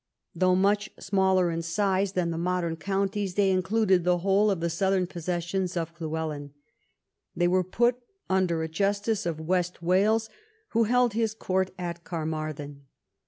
Though much smaller in size than the modern counties, they included the whole of the southern possessions of Llywelyn. They were put under a justice of West Wales who held his court at Carmarthen.